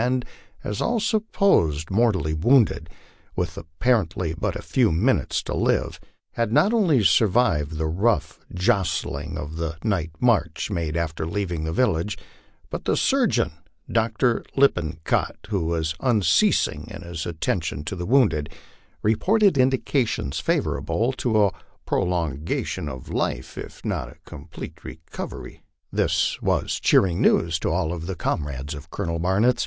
179 and, as all supposed, mortally wounded, with apparently but a few minutes to live, had not only survived the rough jostling of the night march made after leaving the village, but the surgeon, Dr. Lippincott, who was unceasing in his attentions to the wounded, reported indications favorable to a prolonga tion of life if not a complete recovery. This was cheering news to all the comrades of Colonel Barnitz.